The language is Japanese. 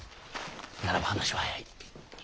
ならば話は早い。